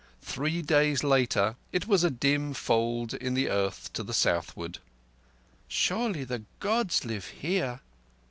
Three days later, it was a dim fold in the earth to southward. "Surely the Gods live here!"